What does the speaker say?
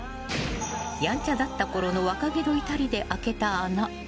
やんちゃだったころの若気の至りで開けた穴。